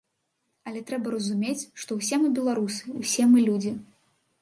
Але трэба разумець, што ўсе мы беларусы, усе мы людзі.